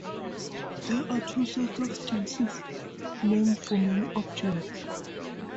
There are two sets of distinct names for many objects.